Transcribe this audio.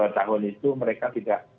dua tahun itu mereka tidak